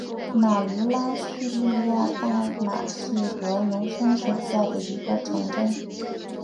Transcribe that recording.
马卢拉是叙利亚大马士革农村省下的一个城镇。